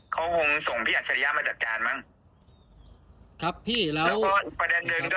ก็คุณที่หมายถืออย่างนึก